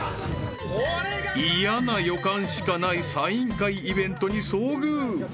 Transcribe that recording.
［嫌な予感しかないサイン会イベントに遭遇］